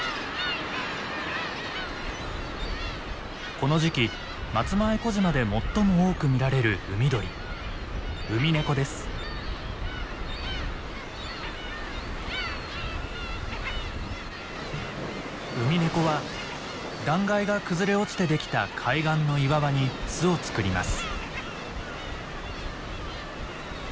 この時期松前小島で最も多く見られる海鳥ウミネコは断崖が崩れ落ちてできた海岸の岩場に巣を作ります。